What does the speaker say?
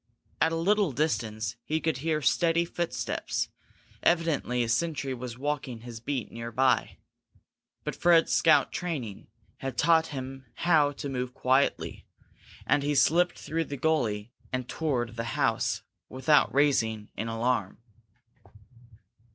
At a little distance he could hear steady footsteps; evidently a sentry was walking his beat near by. But Fred's scout training had taught him how to move quietly and he slipped through the gully and toward the house without raising an alarm.